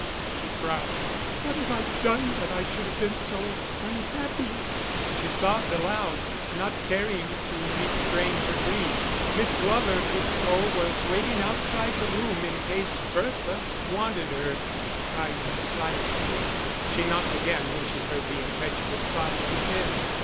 she cried, "what have I done that I should have been so unhappy?" She sobbed aloud, not caring to restrain her grief. Miss Glover, good soul, was waiting outside the room in case Bertha wanted her, crying silently. She knocked again when she heard the impetuous sobs within.